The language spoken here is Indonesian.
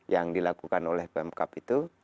yang dilakukan oleh pemkap itu